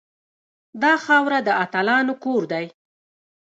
دا خاوره د اتلانو کور دی